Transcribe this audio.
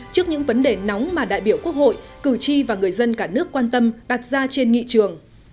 trước những vấn đề nóng mà đại biểu quốc hội cử tri và người dân cả nước quan tâm đặt ra trên nghị trường